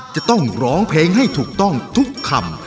จะต้องร้องเพลงให้ถูกต้องทุกคำ